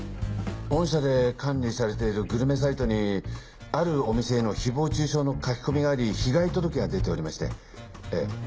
御社で管理されているグルメサイトにあるお店への誹謗中傷の書き込みがあり被害届が出ておりましてええ。